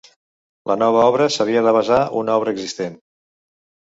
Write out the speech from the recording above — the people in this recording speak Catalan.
La nova obra s'havia de basar una obra existent.